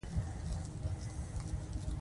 د اوبو بندونه برښنا ورکوي